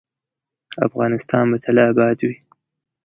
افغانستان به تل اباد وي